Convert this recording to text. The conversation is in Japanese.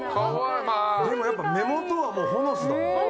でもやっぱ目元はもうほのすだもん。